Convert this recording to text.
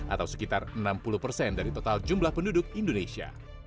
atau sekitar enam puluh persen dari total jumlah penduduk indonesia